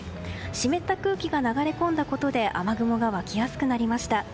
湿った空気が流れ込んだことで雨雲が湧きやすくなりました。